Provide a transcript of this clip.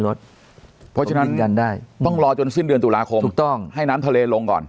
เล่นได้ต้องรอจนสิ้นเดือนตุลาคมถูกต้องให้น้ำทะเลลงก่อน